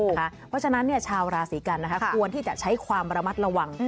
เพราะฉะนั้นชาวราศีกันควรที่จะใช้ความระมัดระวัง